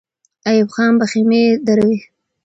ایوب خان به خېمې دروي.